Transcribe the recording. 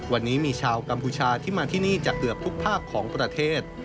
วันนี้มีชาวกัมพูชาที่มาที่นี่จะเกือบทุกภาคของประเทศ